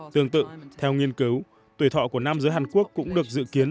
tương tự theo nghiên cứu tuổi thọ của nam giới hàn quốc cũng được dự kiến